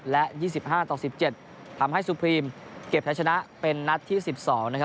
๒๐๕๑และ๒๕๑๗ทำให้สุปรีมเก็บแถวชนะเป็นนัดที่๑๒